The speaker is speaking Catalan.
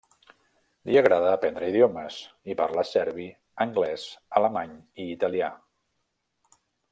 Li agrada aprendre idiomes i parla serbi, anglès, alemany i italià.